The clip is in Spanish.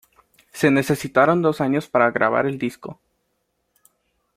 Se necesitaron dos años para grabar el disco.